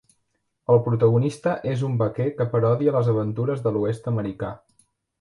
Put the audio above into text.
El protagonista és un vaquer que parodia les aventures de l'oest americà.